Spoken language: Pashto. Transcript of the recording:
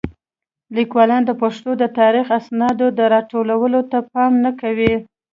لیکوالان د پښتو د تاریخي اسنادو د راټولولو ته پام نه کوي.